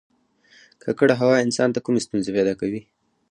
ککړه هوا انسان ته کومې ستونزې پیدا کوي